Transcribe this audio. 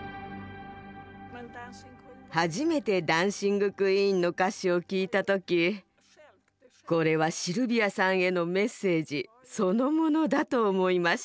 初めて「ダンシング・クイーン」の歌詞を聴いた時これはシルビアさんへのメッセージそのものだと思いました。